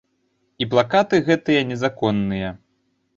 І плакаты гэтыя незаконныя.